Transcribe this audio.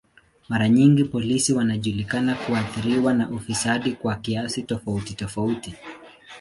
Mara nyingi polisi wanajulikana kuathiriwa na ufisadi kwa kiasi tofauti tofauti.